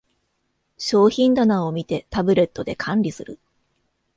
商品棚を見て、タブレットで管理する